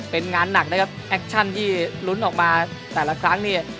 เป็นงานหนักนะครับแอคชั่นที่ลุ้นออกมาแต่ละครั้งเนี่ย